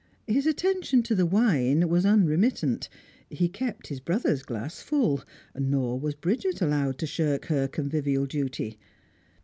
His attention to the wine was unremittent; he kept his brother's glass full, nor was Bridget allowed to shirk her convivial duty.